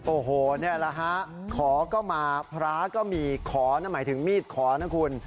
โอ้โหนี่แหละฮะขอก็มาพระก็มีขอนั่นหมายถึงมีดขอนะคุณ